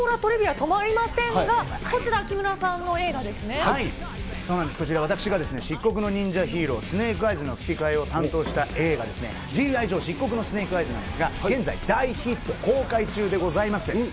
止まりませんが、こちら、そうなんです、こちら、私、漆黒の忍者ヒーロー、スネークアイズの吹き替えを担当した映画、ＧＩジョー・漆黒のスネークアイズなんですが、現在大ヒット公開中でございます。